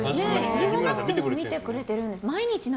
言わなくても見てくれてるってことですか？